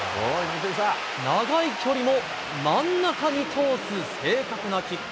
長い距離も真ん中に通す正確なキック。